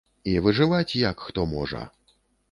І выжываць, як хто можа.